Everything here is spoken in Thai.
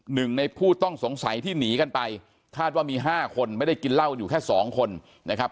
หนึ่งในผู้ต้องสงสัยที่หนีกันไปคาดว่ามีห้าคนไม่ได้กินเหล้าอยู่แค่สองคนนะครับ